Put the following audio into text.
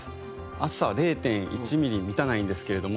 厚さは０．１ミリに満たないんですけれども。